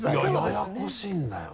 ややこしいんだよな。